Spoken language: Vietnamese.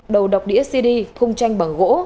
đầu độc đĩa cd khung tranh bằng gỗ